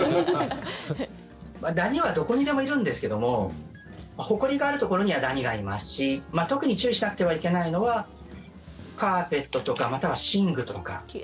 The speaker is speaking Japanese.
ダニはどこにでもいるんですけどもほこりがあるところにはダニがいますし特に注意しなくてはいけないのはカーペットとかまたは寝具とか。